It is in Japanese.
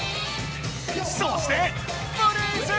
そしてフリーズ！